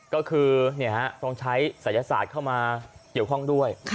ก็คือต้องใช้ศัยศาสตร์เข้ามาเกี่ยวข้องด้วย